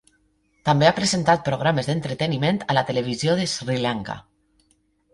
També ha presentat programes d'entreteniment a la televisió de Sri Lanka.